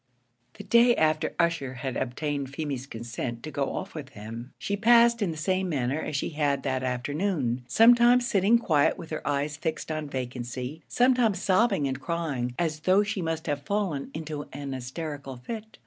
The day after Ussher had obtained Feemy's consent to go off with him, she passed in the same manner as she had that afternoon sometimes sitting quiet with her eyes fixed on vacancy sometimes sobbing and crying, as though she must have fallen into an hysterical fit.